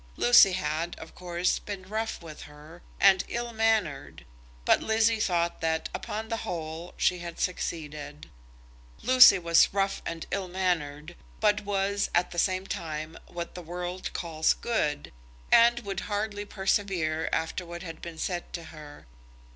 Lucy had, of course, been rough with her, and ill mannered, but Lizzie thought that, upon the whole, she had succeeded. Lucy was rough and ill mannered, but was, at the same time, what the world calls good, and would hardly persevere after what had been said to her.